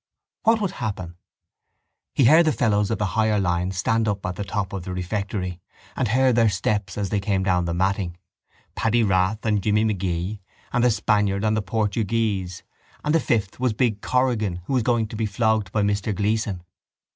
What would happen? He heard the fellows of the higher line stand up at the top of the refectory and heard their steps as they came down the matting: Paddy Rath and Jimmy Magee and the Spaniard and the Portuguese and the fifth was big Corrigan who was going to be flogged by Mr Gleeson.